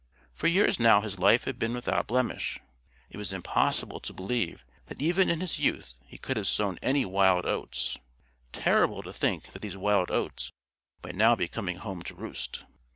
For years now his life had been without blemish. It was impossible to believe that even in his youth he could have sown any wild oats; terrible to think that these wild oats might now be coming home to roost.